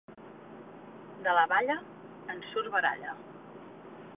De la balla, en surt baralla.